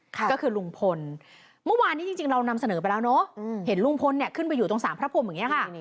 ก็คือลุงพลเมื่อวานนี้จริงเรานำเสนอไปแล้วเนอะเห็นลุงพลเนี่ยขึ้นไปอยู่ตรงสามพระพรมอย่างนี้ค่ะ